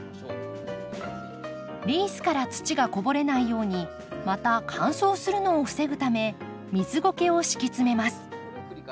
リースから土がこぼれないようにまた乾燥するのを防ぐため水ゴケを敷き詰めます。